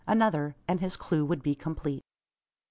Another, and his clue would be complete!